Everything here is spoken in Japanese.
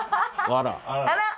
あら！